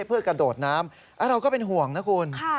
เพื่อกระโดดน้ำเราก็เป็นห่วงนะคุณ